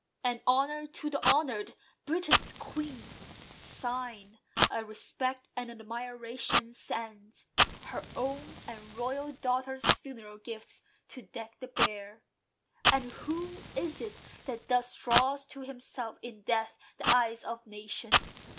And, honour to the honour'd! Britain's Queen Sign of "respect and admiration" sends, Her own, and royal daughter's funeral gifts To deck the bier. And who is it that thus Draws to himself, in death, the eyes of nations?